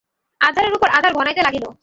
আঁধারের উপর আঁধার ঘনাইতে লাগিল।